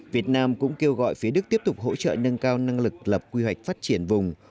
việt nam cũng kêu gọi phía đức tiếp tục hỗ trợ nâng cao năng lực lập quy hoạch phát triển vùng